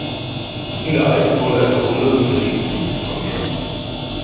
In der Eifel wurde er verwundet und geriet in Kriegsgefangenschaft.